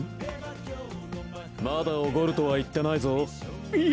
まだおごるとは言ってないぞ。